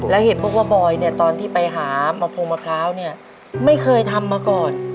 แล้วเห็นบอกว่าบอยเนี่ยตอนที่ไปหามะพงมะพร้าวเนี่ยไม่เคยทำมาก่อน